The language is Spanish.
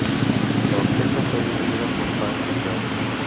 La orquesta fue dirigida por Francis Bay.